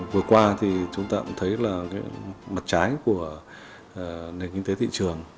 vừa qua thì chúng ta cũng thấy là mặt trái của nền kinh tế thị trường